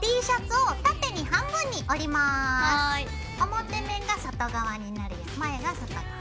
表面が外側になるよう前が外側。